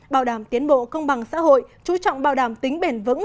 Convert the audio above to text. bảo đảm tiến bộ công bằng xã hội chú trọng bảo đảm tính bền vững